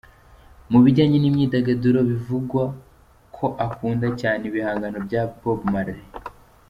Mu bijyanye n’imyidagaduro bivugwa ko akunda cyane ibihangano bya Bob Marley,